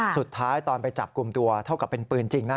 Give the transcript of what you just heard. สุดท้ายตอนไปจับกลุ่มตัวเท่ากับเป็นปืนจริงนะ